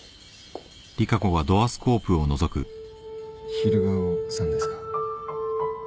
・・昼顔さんですか？